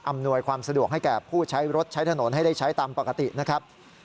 อำนวยความสะดวกให้แก่ผู้ใช้รถใช้ถนนให้ได้ใช้ตามปกตินะครับ